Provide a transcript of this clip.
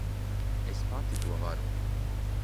Es pati to varu.